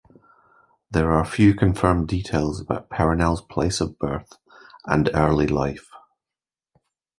There are few confirmed details about Perenelle's place of birth and early life.